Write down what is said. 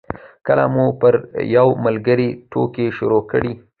کله مو پر یو ملګري ټوکې شروع کړې.